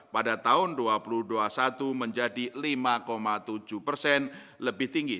pada tahun dua ribu dua puluh satu menjadi lima tujuh persen lebih tinggi